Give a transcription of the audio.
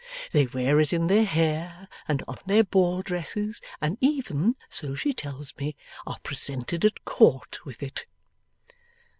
They wear it in their hair, and on their ball dresses, and even (so she tells me) are presented at Court with it.